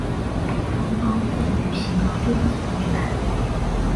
双方共举行了六次会谈。